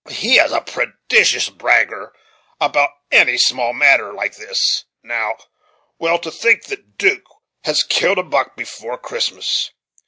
he is a prodigious bragger about any small matter like this now; well, to think that 'Duke has killed a buck before Christmas!